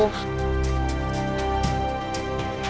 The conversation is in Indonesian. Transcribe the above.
mumpung pampirnya udah ketangkep itu